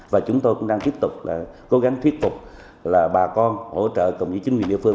và chúng tôi cũng đang cố gắng thuyết phục bà con hỗ trợ cùng với chính quyền địa phương